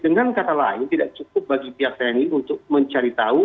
dengan kata lain tidak cukup bagi pihak tni untuk mencari tahu